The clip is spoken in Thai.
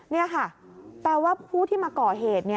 นี่ค่ะแปลว่าผู้ที่มาก่อเหตุ